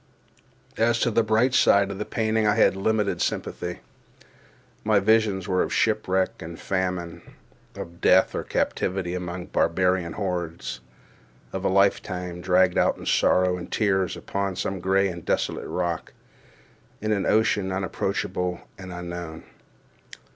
For the bright side of the painting I had a limited sympathy. My visions were of shipwreck and famine; of death or captivity among barbarian hordes; of a lifetime dragged out in sorrow and tears, upon some gray and desolate rock, in an ocean unapproachable and unknown.